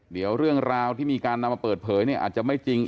เดี๋ยวเรื่องราวที่มีการนำมาเปิดเผยเนี่ยอาจจะไม่จริง